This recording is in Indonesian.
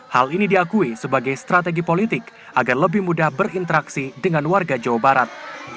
hal ini diakui sebagai strategi politik agar lebih mudah berinteraksi dengan warga jawa barat